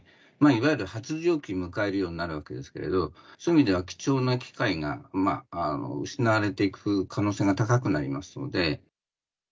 いわゆる発情期迎えるようになるわけですけれど、そういう意味では、貴重な機会が失われていく可能性が高くなりますので。